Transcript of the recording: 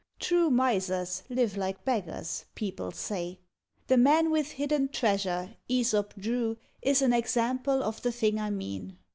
True Misers live like beggars, people say; The man with hidden treasure Æsop drew Is an example of the thing I mean.